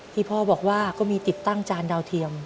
ที่พ่อบอกว่าก็มีติดตั้งจานดาวเทียม